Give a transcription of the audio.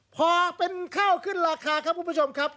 พอเป็นข้าวขึ้นราคาครับคุณผู้ชมครับ